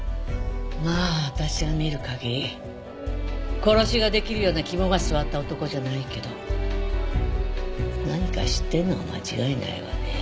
まあ私が見る限りコロシが出来るような肝が据わった男じゃないけど何か知ってるのは間違いないわね。